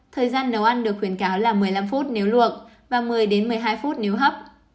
thời gian nấu ăn được khuyến cáo là một mươi năm phút nếu luộc và một mươi đến một mươi hai phút nếu hấp